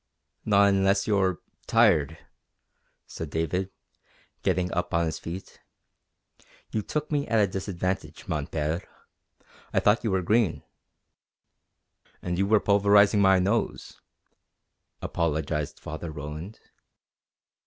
"Not unless you're tired," said David, getting up on his feet. "You took me at a disadvantage, mon Père. I thought you were green." "And you were pulverizing my nose," apologized Father Roland.